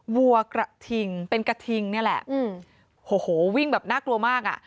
วัวกระถิ่งเป็นกระถิ่งเนี่ยแหละโหวิ่งแบบน่ากลัวมากอะ